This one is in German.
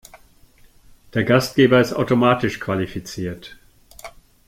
Der Gastgeber ist automatisch qualifiziert.